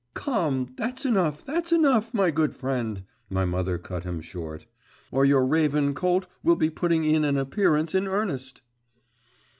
'Come, that's enough, that's enough, my good friend,' my mother cut him short; 'or your raven colt will be putting in an appearance in earnest.